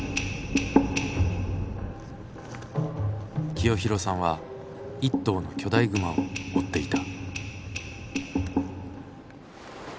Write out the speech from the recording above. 清弘さんは一頭の巨大熊を追っていた。